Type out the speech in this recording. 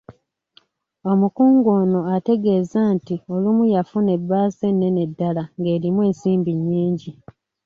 Omukungu ono ategeeza nti olumu yafuna ebbaasa ennene ddala ng’erimu ensimbi nnyingi.